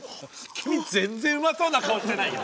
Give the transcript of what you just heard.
君全然うまそうな顔してないよ！